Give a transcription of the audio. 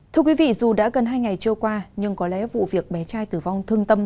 thưa quý vị dù đã gần hai ngày trôi qua nhưng có lẽ vụ việc bé trai tử vong thương tâm